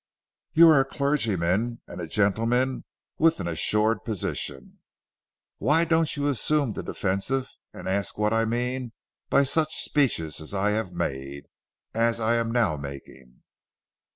You are a clergyman and a gentleman with an assured position. Why don't you assume the defensive and ask what I mean by such speeches as I have made as I am now making!"